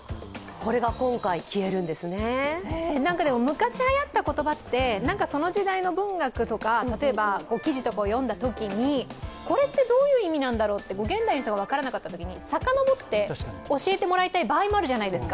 昔はやった言葉って、その時代の文学とか例えば、記事とかを読んだときにこれってどういう意味なんだろうって現代の人が分からなかったときに遡って教えてもらいたい場合もあるじゃないですか。